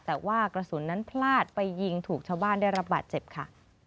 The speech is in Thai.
แต่ว่ากระสุนนั้นพลาดไปยิงถูกชาวบ้านได้รับบาดเจ็บค่ะ